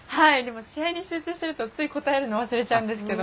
試合に集中していると答えるの、忘れちゃうんですけど。